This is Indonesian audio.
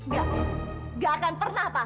gak akan pernah pak